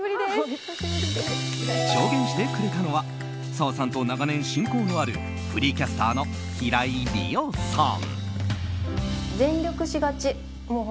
証言してくれたのは澤さんと長年親交のあるフリーキャスターの平井理央さん。